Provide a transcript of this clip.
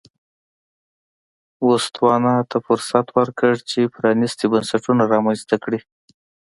بوتسوانا ته فرصت ورکړ چې پرانیستي بنسټونه رامنځته کړي.